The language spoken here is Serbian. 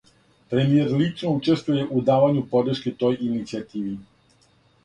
Премијер лично учествује у давању подршке тој иницијативи.